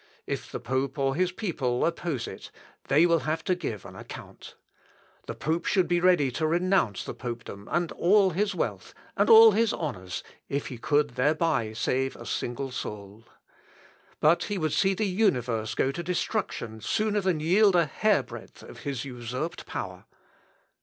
If the pope or his people oppose it, they will have to give an account. The pope should be ready to renounce the popedom, and all his wealth, and all his honours, if he could thereby save a single soul. But he would see the universe go to destruction sooner than yield a hair breadth of his usurped power.